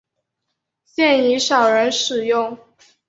现已少人使用。